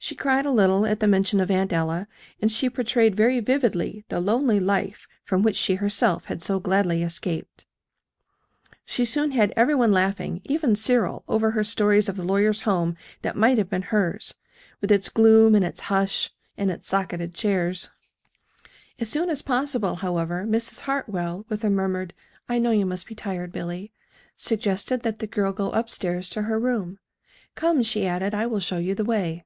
She cried a little at the mention of Aunt Ella; and she portrayed very vividly the lonely life from which she herself had so gladly escaped. She soon had every one laughing, even Cyril, over her stories of the lawyer's home that might have been hers, with its gloom and its hush and its socketed chairs. As soon as possible, however, Mrs. Hartwell, with a murmured "I know you must be tired, Billy," suggested that the girl go up stairs to her room. "Come," she added, "I will show you the way."